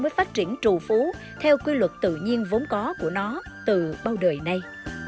mới phát triển trù phú theo quy luật tự nhiên vốn có của nó từ bao đời nay